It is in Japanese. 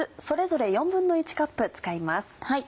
それぞれ１／４カップ使います。